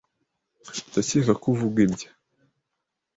Ndakeka ko uvuga ibya .